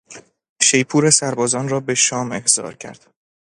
شیپور سربازان را به شام احضار کرد.